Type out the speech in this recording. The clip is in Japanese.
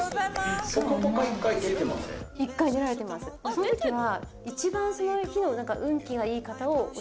そのときは。